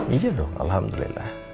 iya dong alhamdulillah